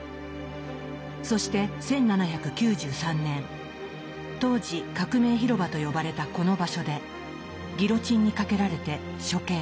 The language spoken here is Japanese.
そして１７９３年当時革命広場と呼ばれたこの場所でギロチンにかけられて処刑。